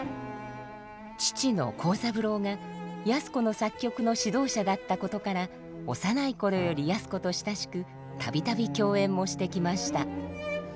父の康三郎が靖子の作曲の指導者だったことから幼い頃より靖子と親しく度々共演もしてきました。